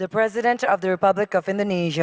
presiden republik indonesia